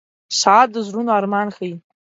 • ساعت د زړونو ارمان ښيي.